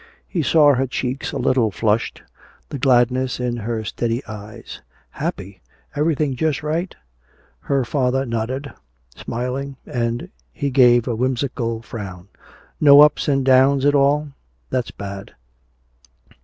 He saw her cheeks a little flushed, the gladness in her steady eyes. "Happy? Everything just right?" His daughter nodded, smiling, and he gave a whimsical frown. "No ups and down at all? That's bad."